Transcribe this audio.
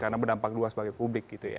karena berdampak luas sebagai publik